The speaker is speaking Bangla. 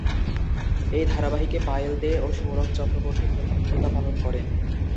এই ধারাবাহিকে পায়েল দে ও সৌরভ চক্রবর্তী প্রধান ভূমিকা পালন করেন।